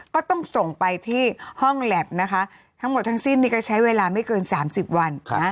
ก็ต้องส่งไปที่ห้องแล็บนะคะทั้งหมดทั้งสิ้นนี่ก็ใช้เวลาไม่เกิน๓๐วัน